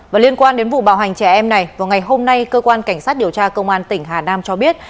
và liên quan đến vụ bạo hành trẻ em này vào ngày hôm nay cơ quan cảnh sát điều tra công an tỉnh hà nam cho biết